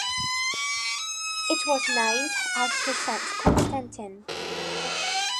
It was named after Saint Constantine.